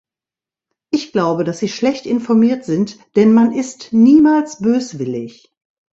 Ich glaube, dass sie schlecht informiert sind, denn man ist niemals böswillig.